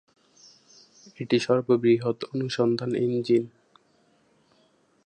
এটি সর্ববৃহৎ অনুসন্ধান ইঞ্জিন।